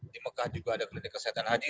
di mekah juga ada klinik kesehatan haji